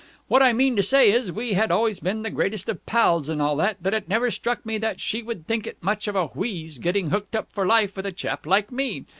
What I mean to say is, we had always been the greatest of pals and all that, but it never struck me that she would think it much of a wheeze getting hooked up for life with a chap like me.